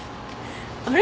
あれ？